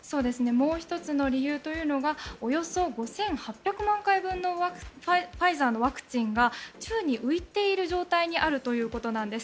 もう１つの理由というのがおよそ５８００万回分のファイザーのワクチンが宙に浮いている状態にあるということなんです。